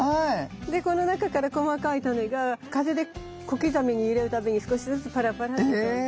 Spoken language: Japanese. でこの中から細かいタネが風で小刻みに揺れるたびに少しずつパラパラっと飛んで。